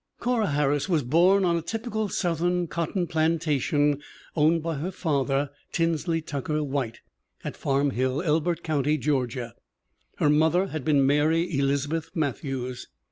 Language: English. Corra Harris was born on a typical Southern cot ton plantation owned by her father, Tinsley Tucker White, at Farm Hill, Elbert county, Georgia. Her mother had been Mary Elizabeth Matthews.